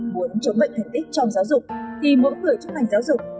muốn chống bệnh thành tích trong giáo dục thì mỗi người trung thành giáo dục